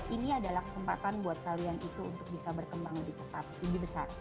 ini adalah kesempatan buat kalian itu untuk bisa berkembang lebih ketat lebih besar